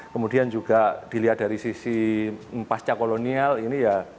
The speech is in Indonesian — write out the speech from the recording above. kemudian juga dilihat dari sisi pasca kolonial ini ya